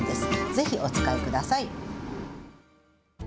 ぜひお使いください。